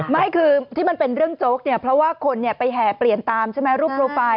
ไม่คือที่มันเป็นเรื่องโจ๊กเนี่ยเพราะว่าคนไปแห่เปลี่ยนตามใช่ไหมรูปโปรไฟล์